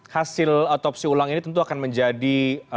hasil otopsi ulang ini tentu akan menjadi